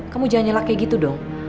kamu jangan nyelak kayak gitu dong